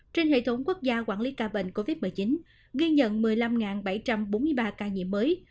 trên hệ thống quốc gia quản lý ca bệnh covid một mươi chín ghi nhận một mươi năm bảy trăm bốn mươi ba ca nhiễm mới